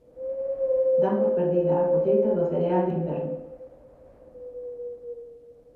Dan por perdida a colleita do cereal de inverno.